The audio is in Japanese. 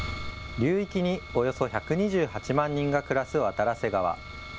流域におよそ１２８万人が暮らす渡良瀬川。